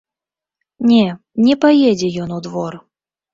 Не, не паедзе ён у двор.